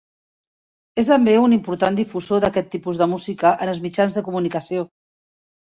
És també un important difusor d'aquest tipus de música en els mitjans de comunicació.